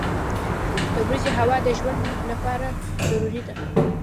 • د ورځې هوا د ژوند لپاره ضروري ده.